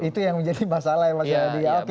itu yang menjadi masalah yang masalah dia